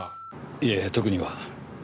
いえ特には。